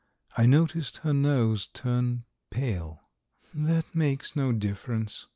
I noticed her nose turn pale. "That makes no difference ..."